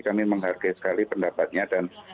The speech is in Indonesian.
kami menghargai sekali pendapatnya dan